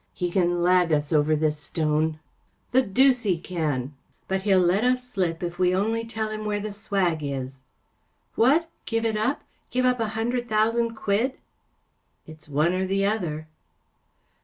He can lag us over this stone." " The deuce he can ! ‚ÄĚ “ But he’ll let us slip if we only tell him where the swag is.‚ÄĚ " What! Give it up ? Give up a hundred thousand quid ? ‚ÄĚ " It’s one or the other."